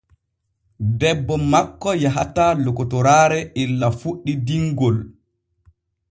Debbo makko yahataa lokotoraare illa fuɗɗi dinŋol.